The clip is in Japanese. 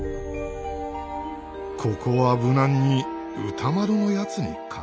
ここは無難に歌麿のやつに描かせるか。